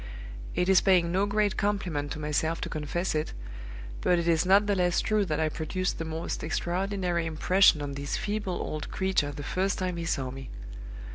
It is paying no great compliment to myself to confess it, but it is not the less true that I produced the most extraordinary impression on this feeble old creature the first time he saw me.